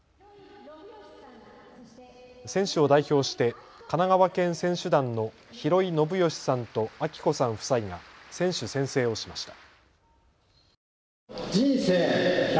選手を代表して神奈川県選手団の廣井信義さんと晶子さん夫妻が選手宣誓をしました。